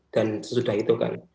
dan sesudah itu kan